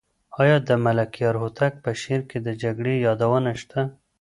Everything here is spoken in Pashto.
آیا د ملکیار هوتک په شعر کې د جګړې یادونه شته؟